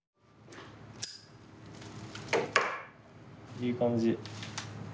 いい感じ。